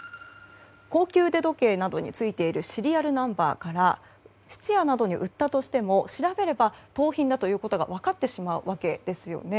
高級腕時計などについているシリアルナンバーから質屋などに売ったとしても調べれば盗品だということが分かってしまうわけですよね。